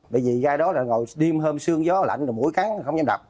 bởi vì gai đó là ngồi đêm hôm sương gió lạnh rồi mũi cắn không nhanh đập